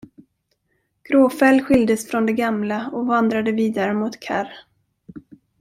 Gråfäll skildes från de gamla och vandrade vidare mot Karr.